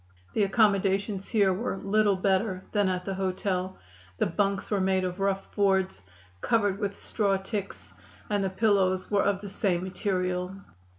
The accommodations here were little better than at the hotel. The bunks were made of rough boards, covered with straw ticks, and the pillows were of the same material.